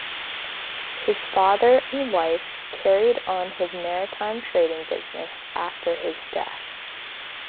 His father and wife carried on his maritime trading business after his death.